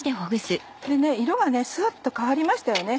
色がサッと変わりましたよね